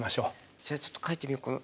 じゃあちょっと描いてみよっかな。